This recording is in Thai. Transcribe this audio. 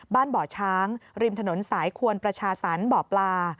บ้านบ่อช้างริมถนนสายควนประชาศรรย์บ่อปลา